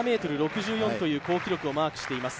７ｍ６４という好記録をマークしています。